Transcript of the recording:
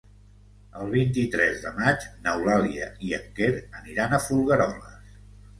El vint-i-tres de maig n'Eulàlia i en Quer aniran a Folgueroles.